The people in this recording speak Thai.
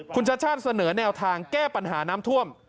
คุณชาติชาติเสนอแนวทางแก้ปัญหาน้ำท่วม